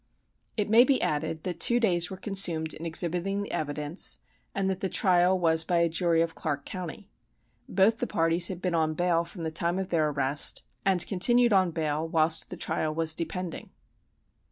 "It may be added that two days were consumed in exhibiting the evidence, and that the trial was by a jury of Clarke County. Both the parties had been on bail from the time of their arrest, and were continued on bail whilst the trial was depending."